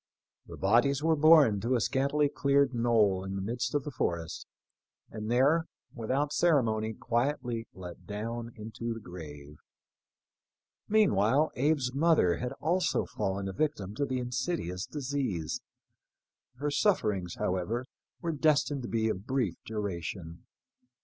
The bodies were borne to a scantily cleared knoll in the midst of the forest, and there, without ceremony, quietly let down into the grave. Meanwhile Abe's mother had also fallen a victim to the insidious disease. Her sufferings, however, were destined to be of brief duration.